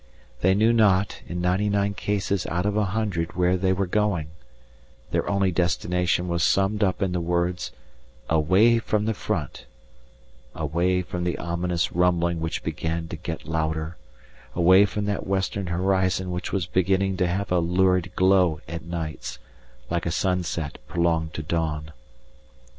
They knew not in ninety nine cases out of a hundred where they were going; their only destination was summed up in the words, "Away from the Front" away from the ominous rumbling which began to get louder, away from that western horizon which was beginning to have a lurid glow at nights, like a sunset prolonged to dawn.